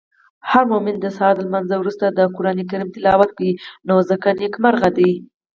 هرمومن د سهار د لمانځه وروسته د قرانکریم تلاوت کوی نو ځکه نیکمرغه دی.